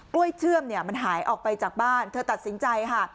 ้วยเชื่อมเนี่ยมันหายออกไปจากบ้านเธอตัดสินใจค่ะ